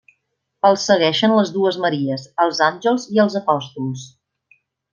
Els segueixen les dues Maries, els àngels i els apòstols.